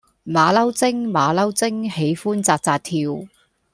馬騮精馬騮精喜歡紮紮跳